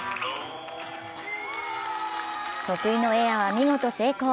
得意のエアは見事成功。